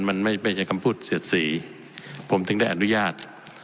มันไม่ใช่คำพูดเสียดสีผมถึงได้อนุญาต